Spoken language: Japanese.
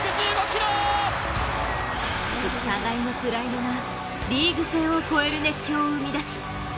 互いのプライドがリーグ戦を超える熱狂を生み出す。